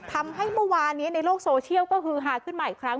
ทำให้เมื่อวานนี้ในโลกโซเชียลก็คือฮาขึ้นมาอีกครั้ง